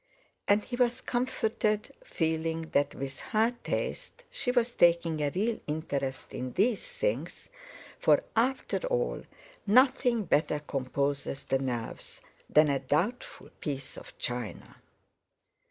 And he was comforted, feeling that, with her taste, she was taking a real interest in these things; for, after all, nothing better composes the nerves than a doubtful piece of china.